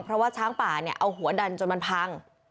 เพราะว่าช้างป่าเนี่ยเอาหัวดันจนมันพัง